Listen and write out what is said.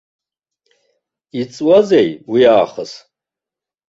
Иҵуазеи уи аахыс?